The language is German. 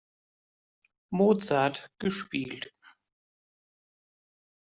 Mozart“" gespielt.